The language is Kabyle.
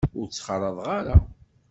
Ur t-ttxalaḍeɣ ara.